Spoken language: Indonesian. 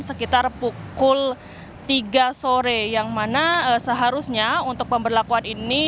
sekitar pukul tiga sore yang mana seharusnya untuk pemberlakuan ini